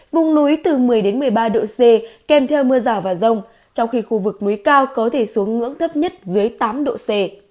vùng núi từ một mươi một mươi ba độ c kèm theo mưa rào và rông trong khi khu vực núi cao có thể xuống ngưỡng thấp nhất dưới tám độ c